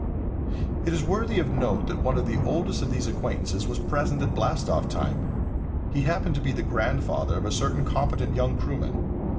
It is worthy of note that one of the oldest of these acquaintances was present at blast off time. He happened to be the grandfather of a certain competent young crewman.